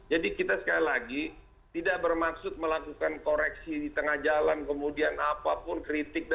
jadi kita sekali lagi tidak bermaksud melakukan koreksi di tengah jalan kemudian apapun kritik